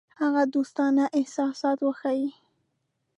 هغه دوستانه احساسات وښيي.